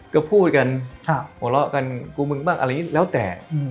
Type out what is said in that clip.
ก็พูดกันหัวเราะกันกูมึงบ้างอะไรอย่างนี้แล้วแต่